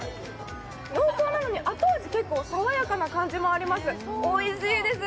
濃厚なのに後味、結構爽やかな感じもあります、おいしいです。